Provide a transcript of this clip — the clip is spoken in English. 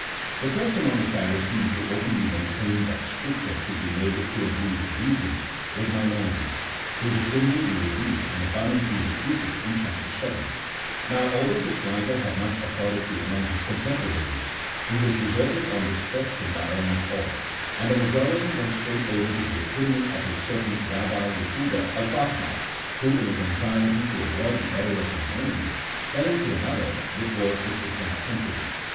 The first among the Pharisees who openly maintained that Scripture should be made to agree with reason, was Maimonides, whose opinion we reviewed, and abundantly refuted in Chap. VII. : now, although this writer had much authority among his contemporaries, he was deserted on this question by almost all, and the majority went straight •CHAP. XV.] THEOLOGY NOT SUBSERVIENT TO REASON. 191 over to the opinion of a certain R. Jehuda Alpakhar, who, in his anxiety to avoid the error of Maimonides, fell into another, "which was its exact contrary.